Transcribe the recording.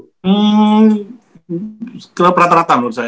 hmm klub rata rata menurut saya